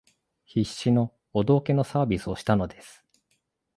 必死のお道化のサービスをしたのです